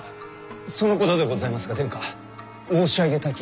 そのことでございますが殿下申し上げたき儀が。